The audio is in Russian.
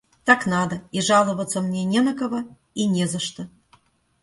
Так надо, и жаловаться мне не на кого и не за что.